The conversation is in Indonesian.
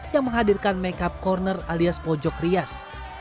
yang menghadirkan make up corner alias pojok rias